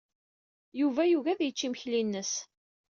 Yuba yugi ad yečč imekli-ines.